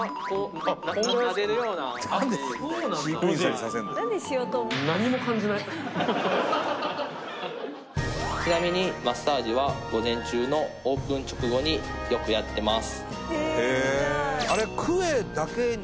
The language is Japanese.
なでるようなちなみにマッサージは午前中のオープン直後によくやってます